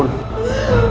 kondisi pak jaja menurun